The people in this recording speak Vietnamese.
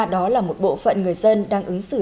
đó là một bộ phận người dân đang ứng xử